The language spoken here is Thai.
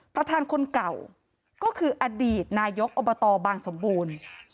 คนเก่าก็คืออดีตนายกอบตบางสมบูรณ์